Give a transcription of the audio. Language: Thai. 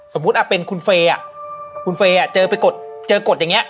สมมุติอ่ะเป็นคุณเฟย์อ่ะคุณเฟย์อ่ะเจอไปกดเจอกดอย่างเงี้ย